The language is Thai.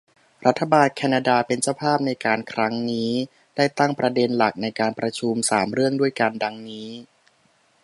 รัฐบาลแคนนาดาเป็นเจ้าภาพในการครั้งนี้ ได้ตั้งประเด็นหลักในการประชุม สาม เรื่องด้วยกัน ดังนี้